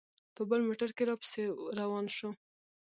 په بل موټر کې را پسې روان شو.